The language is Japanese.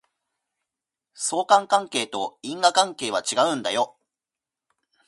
相関関係と因果関係は違うんだよ